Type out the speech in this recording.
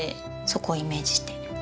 そこをイメージして。